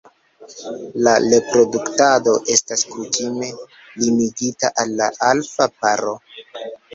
La reproduktado estas kutime limigita al la alfa paro.